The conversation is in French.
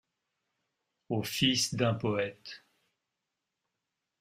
Au fils d’un poëte